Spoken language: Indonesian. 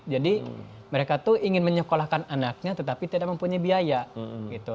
jadi mereka itu ingin menyekolahkan anaknya tetapi tidak mempunyai biaya gitu